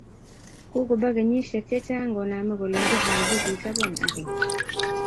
Kukuba kenyishe che chang koname koleHaji kichobon akeny.